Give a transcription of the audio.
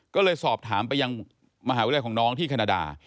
ก็เลยสอบถามไปยังมหาวิทยาลัยของน้องที่แคนาดา